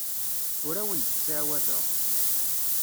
Ur awen-d-ttɛawadeɣ.